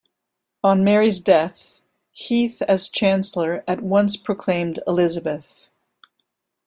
On Mary's death Heath as chancellor at once proclaimed Elizabeth.